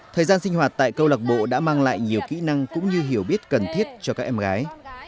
thời gian sinh hoạt tại câu lạc bộ đã mang lại nhiều kỹ năng cũng như hiểu biết cần thiết cho các em gái